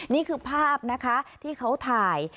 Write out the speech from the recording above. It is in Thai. นี่คือภาพนะคะที่เขาถ่าย